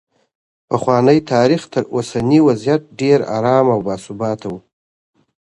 پخوانی تاریخ تر اوسني وضعیت ډېر ارام او باثباته و.